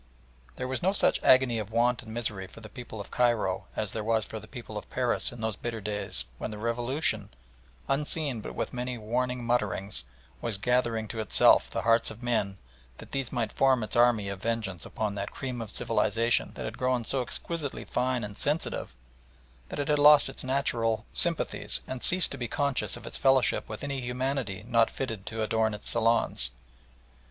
There was no such agony of want and misery for the people of Cairo as there was for the people of Paris in those bitter days when the Revolution, unseen but with many warning mutterings, was gathering to itself the hearts of men that these might form its army of vengeance upon that "cream of civilisation" that had grown so exquisitely fine and sensitive that it had lost its natural sympathies and ceased to be conscious of its fellowship with any humanity not fitted to adorn its salons.